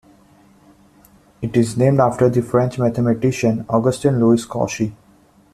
It is named after the French mathematician Augustin Louis Cauchy.